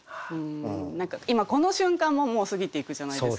今この瞬間ももう過ぎていくじゃないですか。